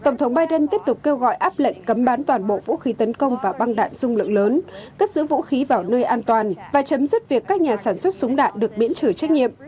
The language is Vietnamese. ngoại áp lệnh cấm bán toàn bộ vũ khí tấn công và băng đạn dung lượng lớn cất giữ vũ khí vào nơi an toàn và chấm dứt việc các nhà sản xuất súng đạn được biễn trừ trách nhiệm